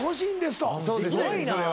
すごいな。